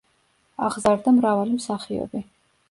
აღზარდა მრავალი მსახიობი.